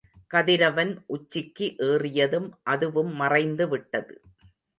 கதிரவன் உச்சிக்கு ஏறியதும் அதுவும் மறைந்து விட்டது.